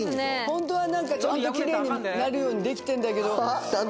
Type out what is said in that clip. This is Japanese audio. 本当はなんかちゃんときれいになるようにできてんだけどはあ？